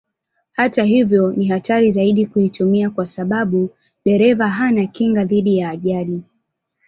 Hata hivyo ni hatari zaidi kuitumia kwa sababu dereva hana kinga dhidi ya ajali.